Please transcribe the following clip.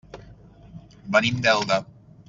Venim d'Elda.